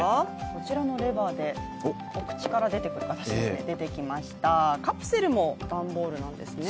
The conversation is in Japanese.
こちらのレバーで出てくると、出てきましたカプセルも段ボールなんですね。